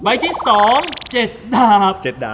ใบที่สองเจ็ดดาบ